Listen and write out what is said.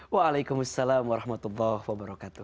waalaikumsalam warahmatullahi wabarakatuh